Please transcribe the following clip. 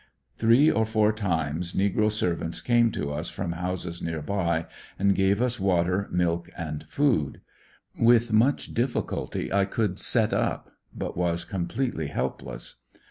Three or four times negro servants came to us from houses near by, and gave us water, milk and food. With much difficulty I could set up, but was completely helpless.